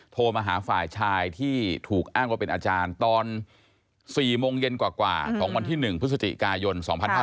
โทรมาหาฝ่ายชายที่ถูกอ้างว่าเป็นอาจารย์ตอน๔โมงเย็นกว่าของวันที่๑พฤศจิกายน๒๕๕๙